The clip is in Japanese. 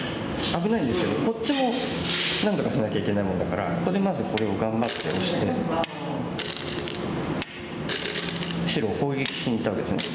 危ないんですけどこっちもなんとかしなきゃいけないもんだからここでまずこれを頑張ってオシて白を攻撃しにいったわけですね。